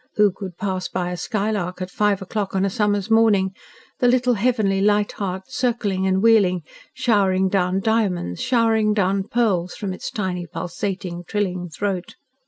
Who could pass by a skylark at five o'clock on a summer's morning the little, heavenly light heart circling and wheeling, showering down diamonds, showering down pearls, from its tiny pulsating, trilling throat?